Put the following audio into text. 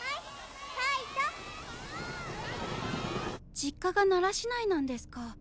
実家が奈良市内なんですか。